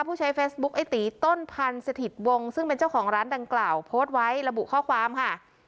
ผู้ใช้เฟซบุ๊คไอ้ตีต้นพันธ์สถิตวงซึ่งเป็นเจ้าของร้านดังกล่าวโพสต์ไว้ระบุข้อความค่ะ